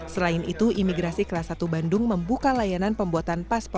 selain itu imigrasi kelas satu bandung membuka layanan pembuatan paspor